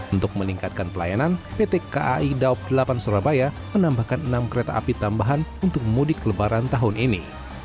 untuk meningkatkan pelayanan pt kai daob delapan surabaya menambahkan enam kereta api tambahan untuk mudik lebaran tahun ini